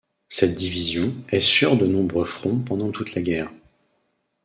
Cette division est sur de nombreux fronts pendant toute la guerre.